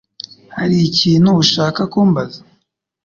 Hari ikintu ushaka kumbaza?